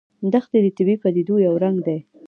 دښتې د طبیعي پدیدو یو رنګ دی.